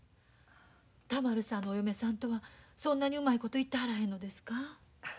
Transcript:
田丸さんのお嫁さんとはそんなにうまいこといってはらへんのですか？